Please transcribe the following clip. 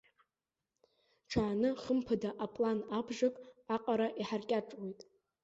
Ҽааны хымԥада аплан абжак аҟара иҳаркьаҿуеит.